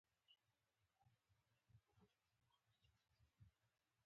د ودانۍ مخې ته د کچه سړک په یوه څنډه کې کتابپلورځی و.